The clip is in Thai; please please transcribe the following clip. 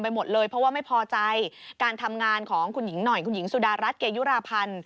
หลังงานของคุณหญิงหน่อยคุณหญิงสุดารัฐเกยุราพันธ์